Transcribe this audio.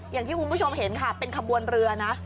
อย่างที่คุณผู้ชมเห็นค่ะเป็นขบวนเรือนะ